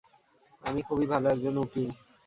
আমি খুবই ভালো একজন উকিল।